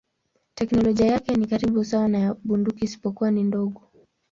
Teknolojia yake ni karibu sawa na ya bunduki isipokuwa ni ndogo.